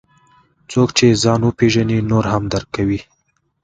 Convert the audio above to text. څوک چې ځان وپېژني، نور هم درک کوي.